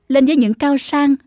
lên với những cao sang